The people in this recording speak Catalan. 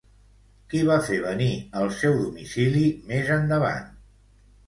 Qui va fer venir al seu domicili més endavant?